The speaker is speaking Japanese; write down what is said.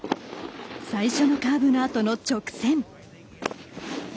最初のカーブのあとの直線。